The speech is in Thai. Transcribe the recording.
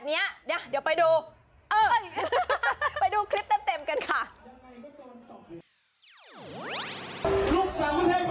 เผียร์กันไปนะเผียร์กันไปทุกคนเผียร์กันไปนะ